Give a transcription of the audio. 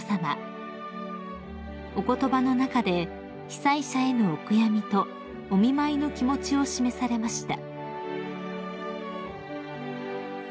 ［お言葉の中で被災者へのお悔やみとお見舞いの気持ちを示されました］